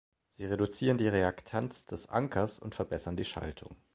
Sie reduzieren die Reaktanz des Ankers und verbessern die Schaltung.